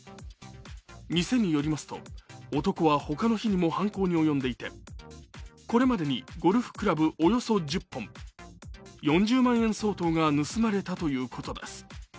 店によりますと、男は他の日にも犯行に及んでいてこれまでにゴルフクラブおよそ１０本４０万円相当が盗まれたということです。